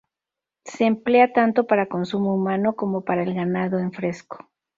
Se emplea tanto para consumo humano como para el ganado, en fresco.